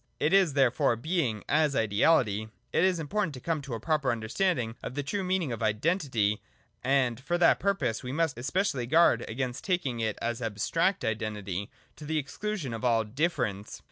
It is therefore Being as Ideality. — It is important to come to a proper understanding on the true meaning of Identity : and, for that purpose, we must especially guard against taking it as abstract Identity, to the exclusion of all Difference.